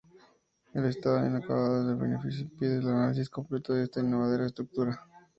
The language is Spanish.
El estado inacabado del edificio impide el análisis completo de esta innovadora estructura.